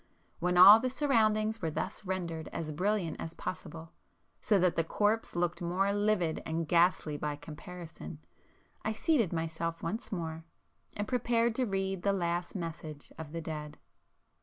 When all the surroundings were thus rendered as brilliant as possible, so that the corpse looked more livid and ghastly by comparison, I seated myself once more, and prepared to read the last message of the dead.